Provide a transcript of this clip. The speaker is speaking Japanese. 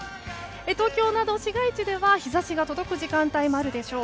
東京など市街地では、日差しが届く時間帯があるでしょう。